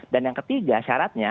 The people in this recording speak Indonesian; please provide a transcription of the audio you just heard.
dan yang ketiga syaratnya